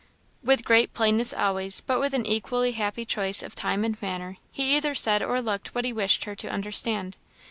With great plainness always, but with an equally happy choice of time and manner, he either said or looked what he wished her to understand.